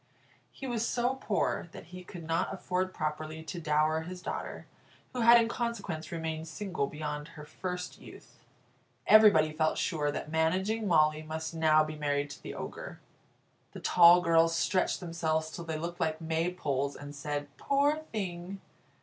He was so poor that he could not afford properly to dower his daughter, who had in consequence remained single beyond her first youth. Everybody felt sure that Managing Molly must now be married to the Ogre. The tall girls stretched themselves till they looked like maypoles, and said, "Poor thing!"